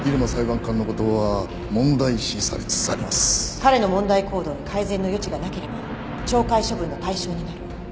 彼の問題行動に改善の余地がなければ懲戒処分の対象になる。